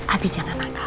abie jangan akal